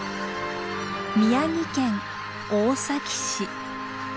宮城県大崎市。